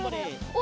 お！